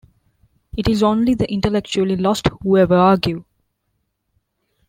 It is only the intellectually lost who ever argue.